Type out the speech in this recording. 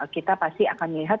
kita pasti akan melihat